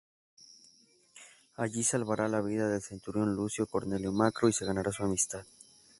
Allí salvará la vida del Centurión Lucio Cornelio Macro y se ganará su amistad.